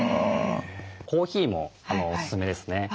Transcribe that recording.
コーヒーもおすすめですね。